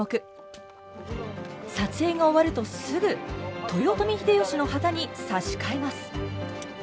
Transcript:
撮影が終わるとすぐ豊臣秀吉の旗に差し替えます。